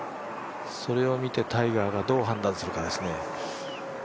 それを見てタイガーがどう判断するかですね。